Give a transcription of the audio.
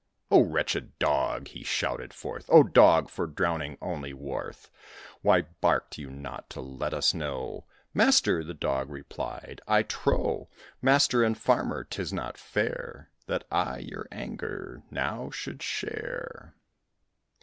"Oh, wretched Dog!" he shouted forth; "O Dog! for drowning only worth, Why barked you not to let us know?" "Master," the Dog replied, "I trow, Master and Farmer, 'tis not fair That I your anger now should share.